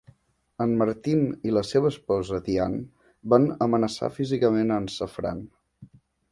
En Martin i la seva esposa Dianne van amenaçar físicament a en Safran.